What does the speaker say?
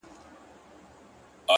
گلي پر ملا باندي راماته نسې،